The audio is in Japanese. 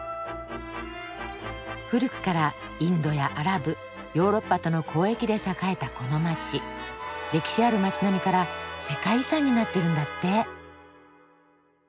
古くからインドやアラブヨーロッパとの交易で栄えたこの街歴史ある街並みから世界遺産になってるんだって。